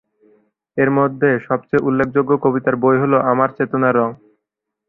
এর মধ্যে সব চেয়ে উল্লেখযোগ্য কবিতার বই হল "আমার চেতনার রঙ"।